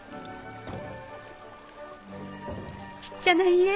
小っちゃな家。